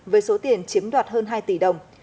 với số tiền chiếm đoạt hơn hai tỷ đồng